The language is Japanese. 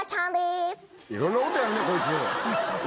いろんなことやるねこいつ。